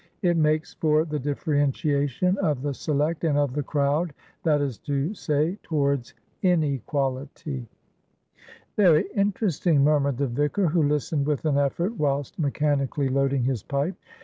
It makes for the differentiation of the Select and of the Crowdthat is to say, towards Inequality." "Very interesting," murmured the vicar, who listened with an effort whilst mechanically loading his pipe.